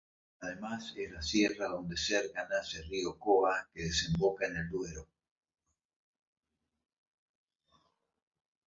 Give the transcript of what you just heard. Además es la Sierra donde cerca nace rio Côa que desemboca en el Duero.